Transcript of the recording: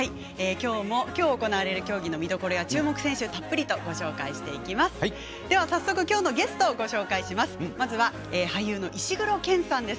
きょう行われる競技の見どころや注目選手をたっぷりとご紹介していきます。